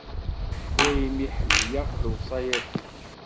Daymi i ḥemmleɣ lewṣayat-ik.